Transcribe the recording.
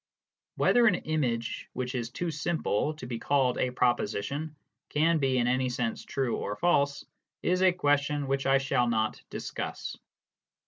Whether an image which is too simple to be called a proposition can be in any sense true or false, is a question which I shall not discuss.